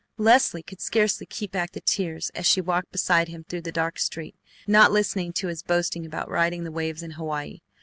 Leslie could scarcely keep back the tears as she walked beside him through the dark street, not listening to his boasting about riding the waves in Hawaii.